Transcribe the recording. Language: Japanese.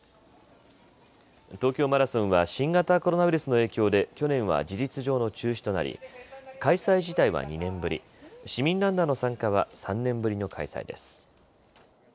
東京マラソンは新型コロナウイルスの影響で去年は事実上の中止となり開催自体は２年ぶり、市民ランナーの参加は３年ぶりの開催です。